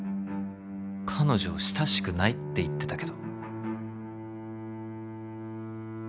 彼女親しくないって言ってたけど。